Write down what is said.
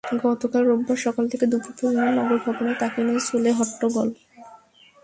গতকাল রোববার সকাল থেকে দুপুর পর্যন্ত নগর ভবনে তাঁকে নিয়ে চলে হট্টগোল।